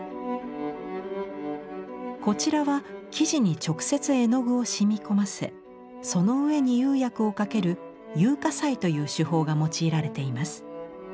こちらは生地に直接絵の具を染み込ませその上に釉薬をかける「釉下彩」という手法が用いられています。